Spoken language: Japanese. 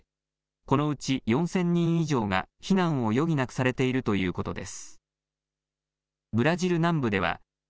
このうち４０００人以上が避難を余儀なくされているということです。